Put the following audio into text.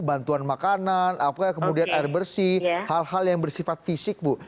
bantuan makanan apakah kemudian air bersih hal hal yang bersifat fisik bu